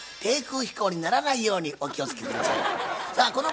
低空飛行にならないようにお気をつけ下さい。